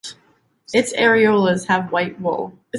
Its areolas have white wool.